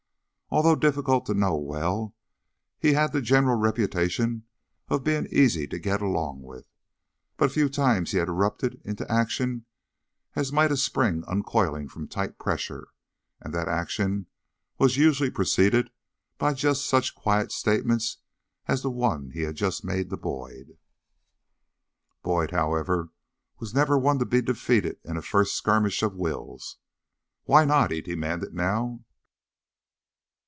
Although difficult to know well, he had the general reputation of being easy to get along with. But a few times he had erupted into action as might a spring uncoiling from tight pressure, and that action was usually preceded by just such quiet statements as the one he had just made to Boyd. Boyd, however, was never one to be defeated in a first skirmish of wills. "Why not?" he demanded now.